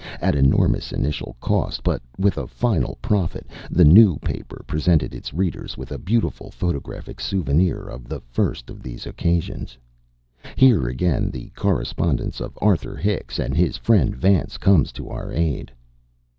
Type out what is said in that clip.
At enormous initial cost, but with a final profit, the New Paper presented its readers with a beautiful photographic souvenir of the first of these occasions. Here again the correspondence of Arthur Hicks and his friend Vance comes to our aid.